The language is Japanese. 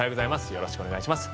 よろしくお願いします。